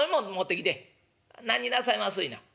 「何になさいますいな」。